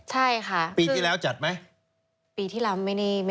ใช่ค่ะคือปีที่แล้วจัดไหม